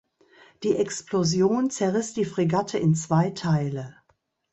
Die Explosion zerriss die Fregatte in zwei Teile.